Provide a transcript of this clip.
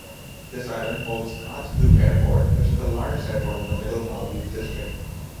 This island holds Kadhdhoo Airport, which is the largest Airport of the Middle-Maldives District.